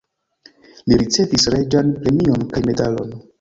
Li ricevis reĝan premion kaj medalon.